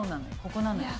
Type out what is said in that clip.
ここなのよ。